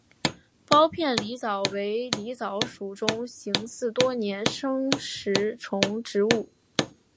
苞片狸藻为狸藻属中型似多年生食虫植物。